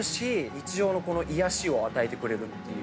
日常の癒やしを与えてくれるっていう。